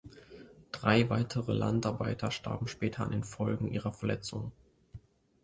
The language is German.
Drei weitere Landarbeiter starben später an den Folgen ihrer Verletzungen.